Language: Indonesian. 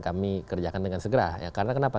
kami kerjakan dengan segera ya karena kenapa